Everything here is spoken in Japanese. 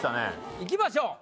いきましょう。